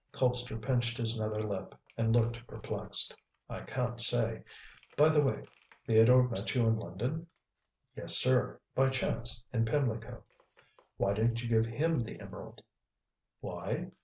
Colpster pinched his nether lip and looked perplexed. "I can't say. By the way, Theodore met you in London?" "Yes, sir. By chance in Pimlico." "Why didn't you give him the emerald?" "Why?"